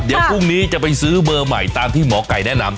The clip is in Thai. เดี๋ยวพรุ่งนี้จะไปซื้อเบอร์ใหม่ตามที่หมอไก่แนะนำ